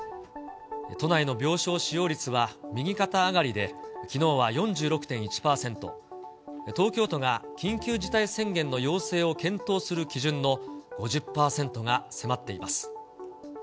都内の病床使用率は右肩上がりで、きのうは４６．１％、東京都が緊急事態宣言の要請を検討する基準の５０％が迫っています。